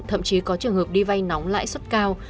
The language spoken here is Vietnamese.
thậm chí có trường hợp đi vay nóng lãi suất cao